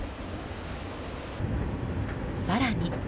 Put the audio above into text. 更に。